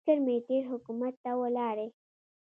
فکر مې تېر حکومت ته ولاړی.